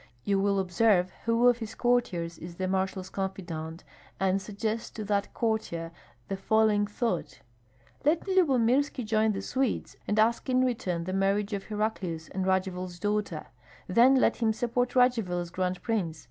You will observe who of his courtiers is the marshal's confidant, and suggest to that courtier the following thought: 'Let Lyubomirski join the Swedes and ask in return the marriage of Heraclius and Radzivill's daughter, then let him support Radzivill as Grand Prince.